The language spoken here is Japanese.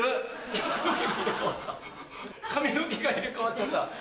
髪の毛が入れ替わっちゃった。